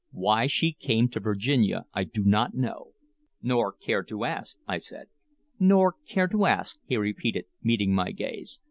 "Why she came to Virginia I do not know " "Nor care to ask," I said. "Nor care to ask," he repeated, meeting my gaze.